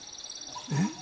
えっ！？